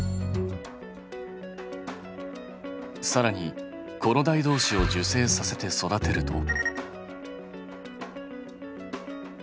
さらに子の代どうしを授精させて育てると。